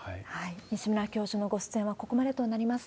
西村教授のご出演はここまでとなります。